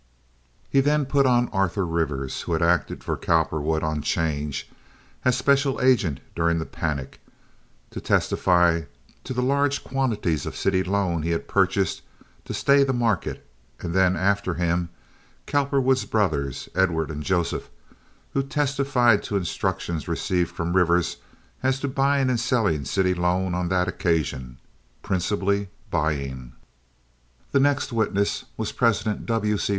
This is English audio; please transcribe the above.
He then put on Arthur Rivers, who had acted for Cowperwood on 'change as special agent during the panic, to testify to the large quantities of city loan he had purchased to stay the market; and then after him, Cowperwood's brothers, Edward and Joseph, who testified to instructions received from Rivers as to buying and selling city loan on that occasion—principally buying. The next witness was President W. C.